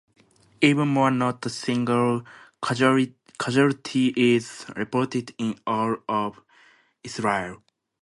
Even more, not a single casualty is reported in all of Israel.